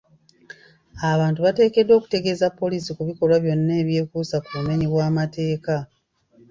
Abantu bateekeddwa okutegeeza poliisi ku bikolwa byonna ebyekuusa ku bumenyi bw'amateeka.